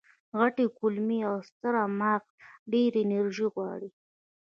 غټې کولمې او ستر ماغز ډېره انرژي غواړي.